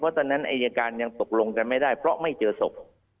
ตอนนั้นอายการยังตกลงกันไม่ได้เพราะไม่เจอศพ